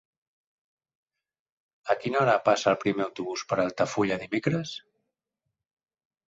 A quina hora passa el primer autobús per Altafulla dimecres?